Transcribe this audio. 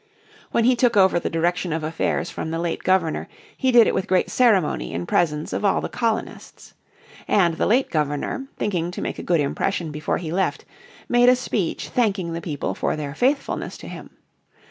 When he took over the direction of affairs from the late Governor, he did it with great ceremony in presence of all the colonists. And the late Governor, thinking to make a good impression before he left, made a speech thanking the people for their faithfulness to him.